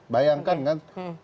bayangkan kan dulu kan